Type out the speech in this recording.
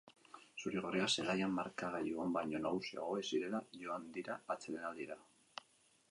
Zurigorriak zelaian markagailuan baino nagusiago zirela joan dira atsedelandira.